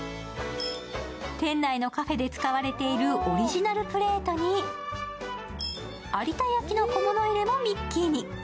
店内のカフェで使われているオリジナルプレートに、有田焼の小物入れもミッキーに。